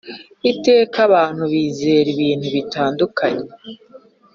iteka abantu bizera ibintu bitandukanye